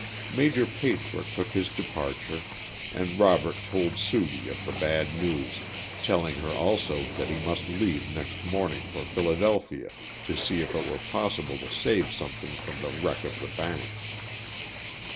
Maj. Pagebrook took his departure and Robert told Sudie of the bad news, telling her also that he must leave next morning for Philadelphia, to see if it were possible to save something from the wreck of the bank.